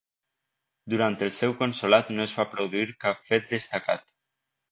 Durant el seu consolat no es va produir cap fet destacat.